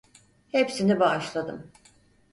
Hepsini bağışladım.